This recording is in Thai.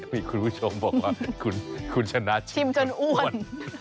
มีคุณผู้ชมบอกว่าคุณชนะชิมจนอ้วน